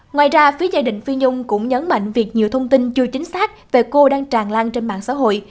ngoài ra phía gia đình phi nhung cũng nhấn mạnh việc nhiều thông tin chưa chính xác về cô đang tràn lan trên mạng xã hội